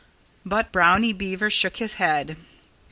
But Brownie Beaver shook his head.